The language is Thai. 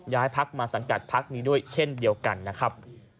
พักมาสังกัดพักนี้ด้วยเช่นเดียวกันนะครับ